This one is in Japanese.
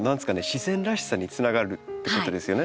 自然らしさにつながるってことですよね。